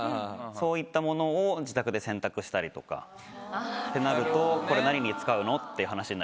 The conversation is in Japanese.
そういった物を自宅で洗濯したりとかってなると「これ何に使うの？」って話になります。